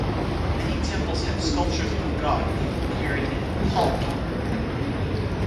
Many temples have sculptures of God being carried in a "palki".